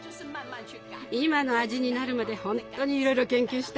今の味になるまでほんとにいろいろ研究したわ。